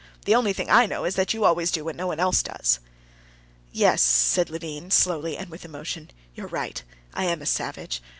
The only thing I know is that you always do what no one else does." "Yes," said Levin, slowly and with emotion, "you're right. I am a savage.